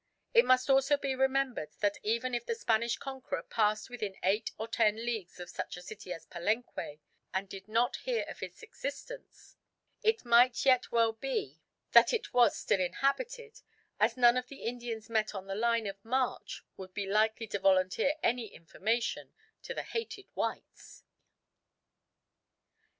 It must also be remembered that even if the Spanish conqueror passed within eight or ten leagues of such a city as Palenque, and did not hear of its existence, it might yet well be that it was still inhabited, as none of the Indians met on the line of march would be likely to volunteer any information to the hated whites.